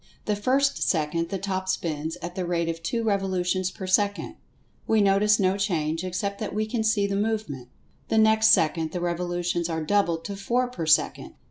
The first second the Top spins at the rate of two revolutions per second. We notice no change, except that we can see the movement. The next second the revolutions are doubled to four per second.